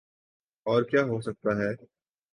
اورکیا ہوسکتاہے؟